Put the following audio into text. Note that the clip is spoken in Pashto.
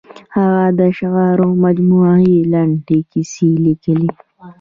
هغه د اشعارو مجموعې، لنډې کیسې لیکلي.